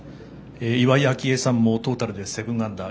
岩井明愛さんもトータルで７アンダー。